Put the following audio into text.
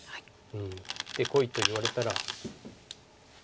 「切ってこい」と言われたら。